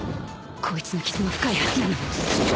こいつの傷も深いはずなのに